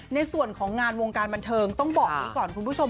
ในส่วนของงานวงการบันเทิงต้องบอกอย่างนี้ก่อนคุณผู้ชม